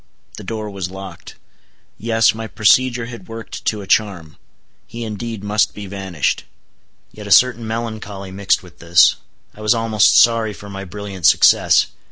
The door was locked. Yes, my procedure had worked to a charm; he indeed must be vanished. Yet a certain melancholy mixed with this: I was almost sorry for my brilliant success.